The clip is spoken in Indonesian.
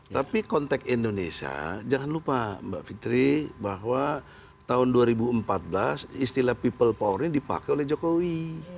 tapi konteks indonesia jangan lupa mbak fitri bahwa tahun dua ribu empat belas istilah people power ini dipakai oleh jokowi